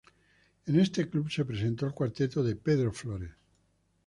En este club se presentó el cuarteto de Pedro Flores.